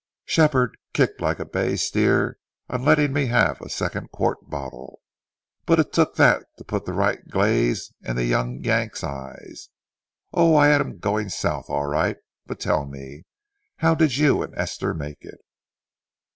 Shepherd kicked like a bay steer on letting me have a second quart bottle, but it took that to put the right glaze in the young Yank's eye. Oh, I had him going south all right! But tell me, how did you and Esther make it?"